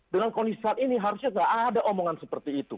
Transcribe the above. dengan kondisi saat ini harusnya nggak ada omongan seperti itu